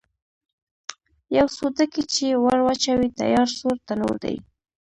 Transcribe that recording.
یو څو ډکي چې ور واچوې، تیار سور تنور دی.